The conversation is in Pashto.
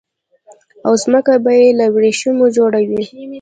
او ځمکه به يي له وريښمو جوړه وي